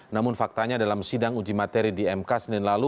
namun faktanya dalam sidang uji materi di mk senin lalu